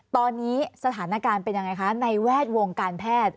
ตอนนี้สถานการณ์เป็นยังไงคะในแวดวงการแพทย์